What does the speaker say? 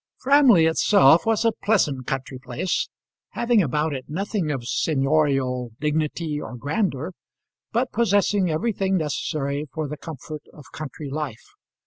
Framley itself was a pleasant country place, having about it nothing of seignorial dignity or grandeur, but possessing everything necessary for the comfort of country life.